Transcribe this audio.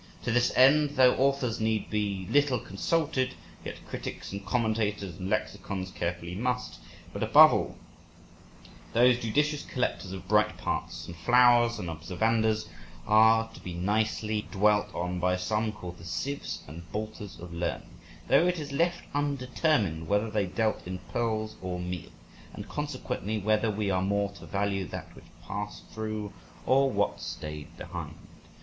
To this end, though authors need be little consulted, yet critics, and commentators, and lexicons carefully must. But above all, those judicious collectors of bright parts, and flowers, and observandas are to be nicely dwelt on by some called the sieves and boulters of learning, though it is left undetermined whether they dealt in pearls or meal, and consequently whether we are more to value that which passed through or what stayed behind.